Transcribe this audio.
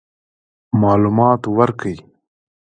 معلومات ورکړي.